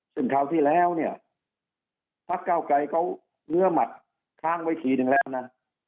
ซึ่งคราวที่แล้วเนี่ยพักเก้าไกรเขาเนื้อหมัดค้างไว้ทีนึงแล้วนะ